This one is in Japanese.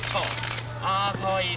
ああかわいい！